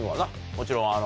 もちろん。